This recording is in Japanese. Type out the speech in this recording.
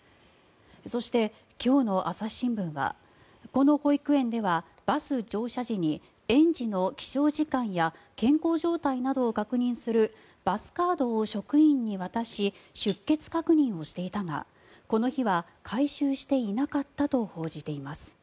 そして、今日の朝日新聞はこの保育園ではバス乗車時に園児の起床時間や健康状態などを確認するバスカードを職員に渡し出欠確認をしていたがこの日は回収していなかったと報じています。